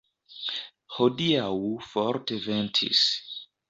Hodiaŭ forte ventis.